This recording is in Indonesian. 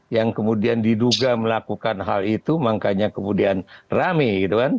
yang kemudian diduga melakukan hal itu makanya kemudian rame gitu kan